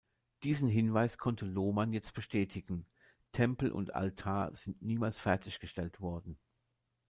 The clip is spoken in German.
Diesen Hinweis konnte Lohmann jetzt bestätigen: Tempel und Altar sind niemals fertiggestellt worden.